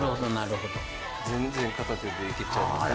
全然片手でいけちゃいますね。